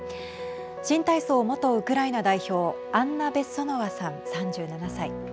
新体操元ウクライナ代表アンナ・ベッソノワさん３７歳。